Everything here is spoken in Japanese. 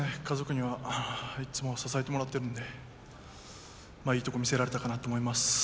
家族にはいつも支えてもらっているんでいいとこを見せられたかなと思います。